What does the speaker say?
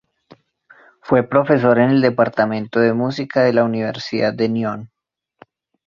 Fue profesor en el Departamento de Música de la Universidad de Nihon.